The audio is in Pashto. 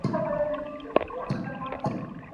لوېديځ تر ختيځ په ځينو علومو کي مخکي و.